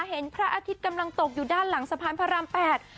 เห็นพระอาทิตย์กำลังตกอยู่ด้านหลังสะพานพระรามแปด